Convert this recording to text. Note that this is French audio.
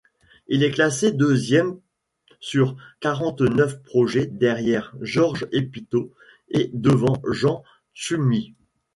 Il est classé deuxième sur quarante-neuf projets, derrière Georges Épitaux et devant Jean Tschumi.